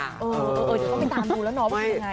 เออเดี๋ยวก็ไปตามดูหลังเรา